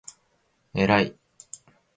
えらい！！！！！！！！！！！！！！！